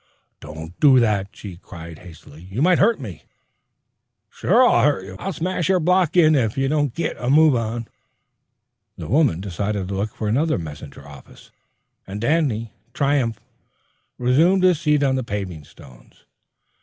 "Don't do that!" she cried hastily. "You might hurt me." "Sure I'll hurt you," was the reply. "I'll smash your block in if you don't git a move on." The woman decided to look for another messenger office, and Danny, triumphant, resumed his seat on the paving stones.